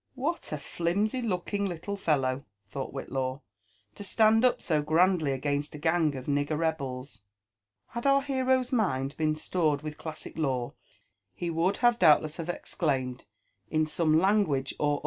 " What a flimsy looking little fellow," thought Whitlaw, " to stand up so grandly against a gang of nigger rebels!" Had our hero's mind been stored with classic lore, he would doubt* less have exclaimed in some language or olher.